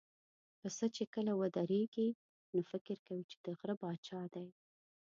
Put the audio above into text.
پسه چې کله ودرېږي، نو فکر کوي چې د غره پاچا دی.